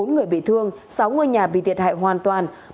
bốn người bị thương sáu ngôi nhà bị thiệt hại hoàn toàn